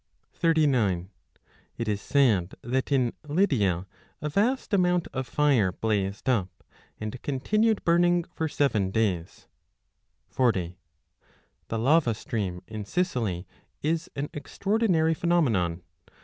39 It is said that in Lydia a vast amount of fire blazed up, ao and continued burning for seven days. 40 The lava stream in Sicily is an extraordinary pheno menon.